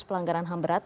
pelanggaran ham berat